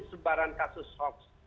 sebaran kasus hoax